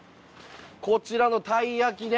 こちらのたい焼きね。